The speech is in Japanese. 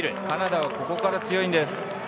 カナダはここから強いんです。